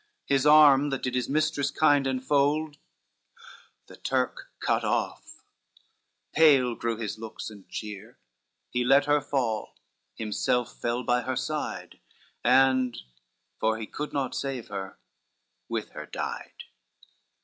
His arm that did his mistress kind enfold, The Turk cut off, pale grew his looks and cheer, He let her fall, himself fell by her side, And, for he could not save her, with her died.